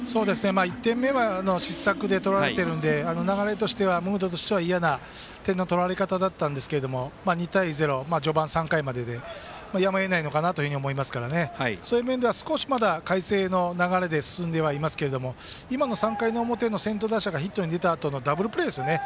１点目は失策でとられてるので流れとしてはムードとしては嫌な点の取られ方でしたが２対０序盤３回まででやむをえないのかなと思いますからね、そういう面では少しまだ海星の流れで進んでいますが今の３回の表の先頭打者がヒットで出たあとのダブルプレーですね。